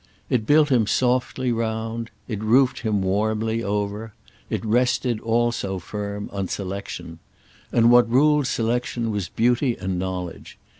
It built him softly round, it roofed him warmly over, it rested, all so firm, on selection. And what ruled selection was beauty and knowledge.